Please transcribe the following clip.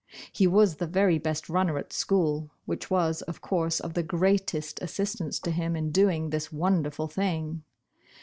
He was the very best runner at school, which was, of course, of the greatest assistance to him in doing this wonderful thing.